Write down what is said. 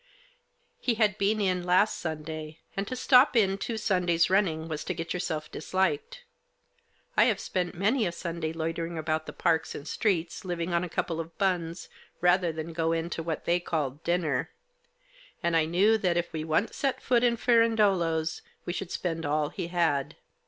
He had been in last Sunday ; and to stop in two Sundays running was to get yourself disliked ; I have spent many a Sunday, loitering about the parks and the streets, living on a couple of buns, rather than go in to what they called dinner. And I knew that if we once set foot in Firandolo's we should spend all he had.